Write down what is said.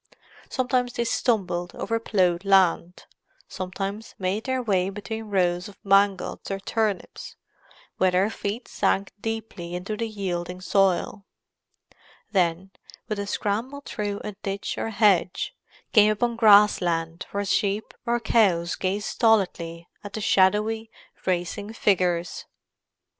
Sometimes they stumbled over ploughed land; sometimes made their way between rows of mangolds or turnips, where their feet sank deeply into the yielding soil; then, with a scramble through a ditch or hedge, came upon grass land where sheep or cows gazed stolidly at the shadowy, racing figures.